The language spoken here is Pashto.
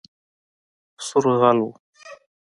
سور غل وو